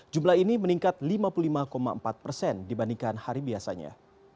jumlah ini meningkat lima puluh lima empat persen dibandingkan hari biasanya